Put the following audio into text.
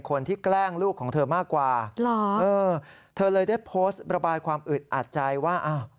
คนที่แกล้งลูกของเธอมากกว่าเธอเลยได้โพสต์ประบายความอึดอาจใจว่า